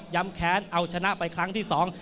ให้สังเมตติการรรมแขนเอาชนะไปครั้งที่สอง